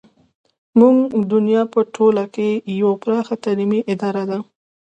زموږ دنیا په ټوله کې یوه پراخه تعلیمي اداره ده.